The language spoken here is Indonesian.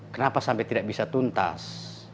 kenapa sampai tidak bisa tuntas